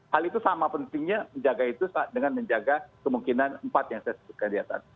hal itu sama pentingnya menjaga itu dengan menjaga kemungkinan empat yang saya sebutkan ya tadi